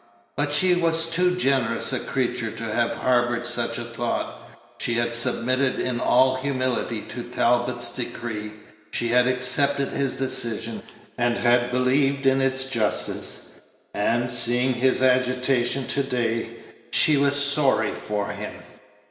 But she was too generous a creature to have harbored such a thought. She had submitted in all humility to Talbot's decree; she had accepted his decision, and had believed in its justice; and, seeing his agitation to day, she was sorry for him.